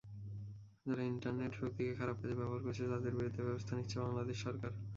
যারা ইন্টারনেট শক্তিকে খারাপ কাজে ব্যবহার করছে, তাদের বিরুদ্ধে ব্যবস্থা নিচ্ছে বাংলাদেশ সরকার।